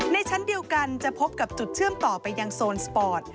ชั้นเดียวกันจะพบกับจุดเชื่อมต่อไปยังโซนสปอร์ต